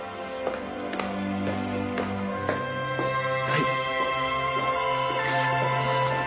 はい。